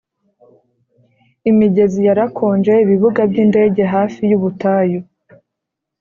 imigezi yarakonje, ibibuga byindege hafi yubutayu,